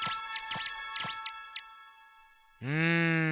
うん。